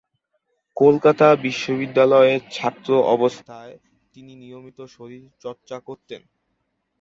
কলকাতা বিশ্ববিদ্যালয়ের ছাত্র অবস্থায় তিনি নিয়মিত শরীরচর্চা করতেন।